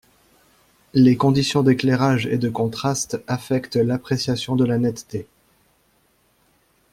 Les conditions d'éclairage et de contraste affectent l’appréciation de la netteté.